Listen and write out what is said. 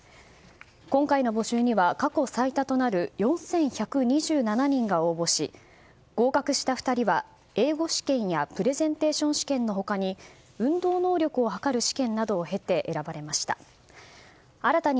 今回の募集には、過去最多となる４１２７人が応募し合格した２人は英語試験やプレゼンテーション試験の他に運動能力を測る試験などを経て選ばれました。